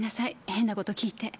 変なこと聞いて。